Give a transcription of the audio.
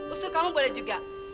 usul kamu boleh juga